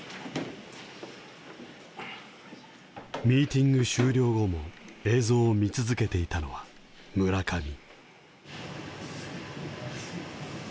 ミーティング終了後も映像を見続けていたのは村上。